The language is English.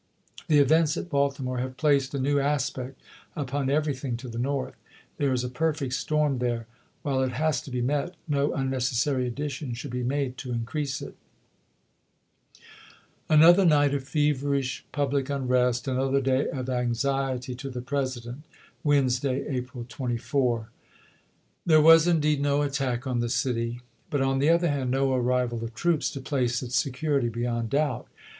The events at Baltimore have placed a new aspect upon everything to the North. There is campbeii a perfect storm there. While it has to be met, no un .*" ^^■"^jf.*, __,, iTTi Ti* *j Apl. 23jl8ol» necessary addition should be made to increase it. ms. Another night of feverish public unrest, another day of anxiety to the President — Wednesday, April 24. There was indeed no attack on the city; but, on the other hand, no arrival of troops to place its security beyond doubt.